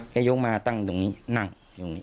ยกมาตั้งตรงนี้นั่งตรงนี้